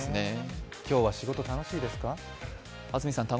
今日は仕事楽しいですか？